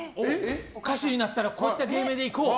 歌手になったらこういった芸名で行こう。